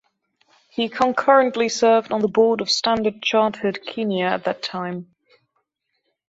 He concurrently served on the Board of Standard Chartered Kenya at that time.